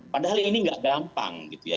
padahal ini nggak gampang gitu ya